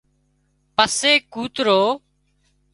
پسي ڪوترو